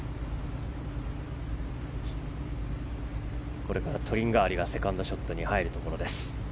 これからトリンガーリがセカンドショットに入るところです。